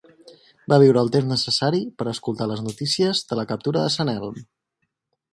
Va viure el temps necessari per escoltar les notícies de la captura de Sant Elm.